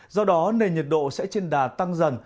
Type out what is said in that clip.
do đó nền nhiệt độ sẽ trên đà tăng dần